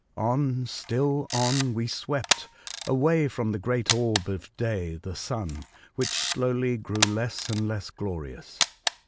On, still on, we swept, away from the great orb of day, the Sun, which slowly grew less and less glorious.